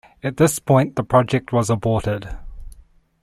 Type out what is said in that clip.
At this point the project was aborted.